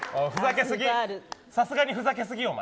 さすがにふざけすぎ、お前。